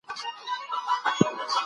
هغه د هرې قطعې تحقیقات پخپله کول.